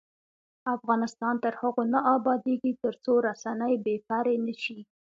افغانستان تر هغو نه ابادیږي، ترڅو رسنۍ بې پرې نشي.